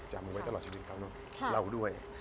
จำไว้ตลอดชีวิตเขาเนอะเล่าด้วย